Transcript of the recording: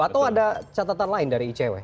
atau ada catatan lain dari icw